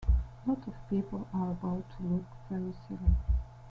A lot of people are about to look very silly.